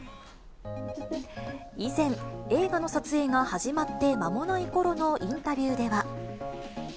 以前、映画の撮影が始まって間もないころのインタビューでは。